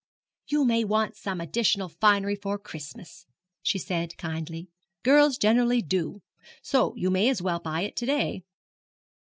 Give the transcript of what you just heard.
'You may want some additional finery for Christmas,' she said kindly. 'Girls generally do. So you may as well buy it to day.'